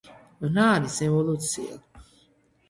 რა არის ევოლუცია?